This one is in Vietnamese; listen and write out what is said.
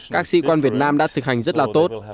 các sĩ quan việt nam đã thực hành rất là tốt